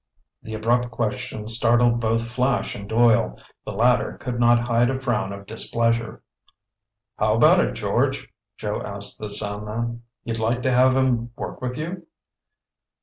The abrupt question startled both Flash and Doyle. The latter could not hide a frown of displeasure. "How about it, George?" Joe asked the soundman. "You'd like to have him work with you?"